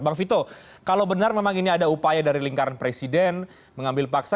bang vito kalau benar memang ini ada upaya dari lingkaran presiden mengambil paksa